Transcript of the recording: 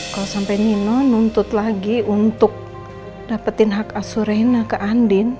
kalau sampai nino nuntut lagi untuk dapetin hak asurena ke andin